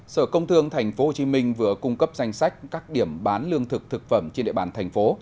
sở công thương tp hcm vừa cung cấp danh sách các điểm bán lương thực thực phẩm trên địa bàn thành phố